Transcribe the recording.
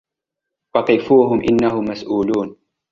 وَقِفُوهُمْ إِنَّهُمْ مَسْئُولُونَ